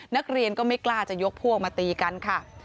นักเรียนก็ไม่กล้าจะยกพวกมาตีกันค่ะ